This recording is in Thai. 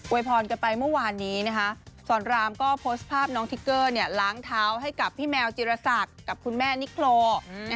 พรกันไปเมื่อวานนี้นะคะสอนรามก็โพสต์ภาพน้องทิกเกอร์ล้างเท้าให้กับพี่แมวจิรษักกับคุณแม่นิโคร